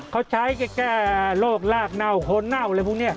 เขาใช้แก่โรคราคเน่าคนเน่าเลยพวกนี้